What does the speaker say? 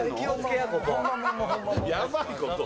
やばいこと。